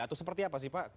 atau seperti apa sih pak